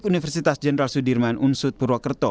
universitas jenderal sudirman unsud purwakerto